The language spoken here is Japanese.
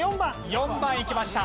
４番いきました。